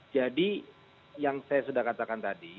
jadi yang saya sudah katakan tadi